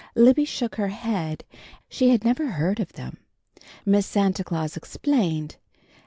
Libby shook her head. She had never heard of them. Miss Santa Claus explained.